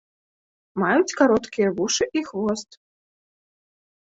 Маюць кароткія вушы і хвост.